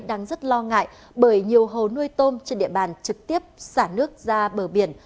đang rất lo ngại bởi nhiều hồ nuôi tôm trên địa bàn trực tiếp xả nước ra bờ biển